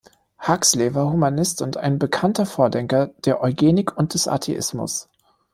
Huxley war Humanist und ein bekannter Vordenker der Eugenik und des Atheismus.